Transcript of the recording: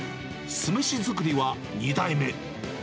酢飯作りは、２代目。